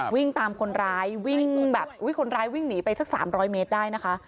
วิ่งตามคนร้ายวิ่งแบบอุ้ยคนร้ายวิ่งหนีไปสัก๓๐๐เมตรได้นะคะ